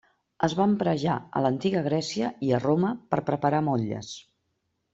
Es va emprar ja a l'Antiga Grècia i a Roma per preparar motlles.